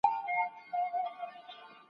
د ګټي لرونکې پانګي ارزښت لوړيده.